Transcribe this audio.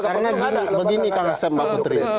karena begini kak hashim mbak putri